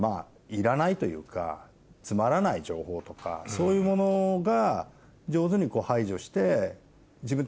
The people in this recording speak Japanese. そういうものが。